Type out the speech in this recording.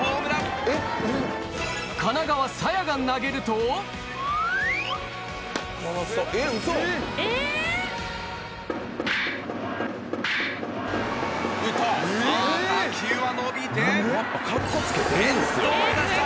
金川紗耶が投げるとさぁ打球は伸びて。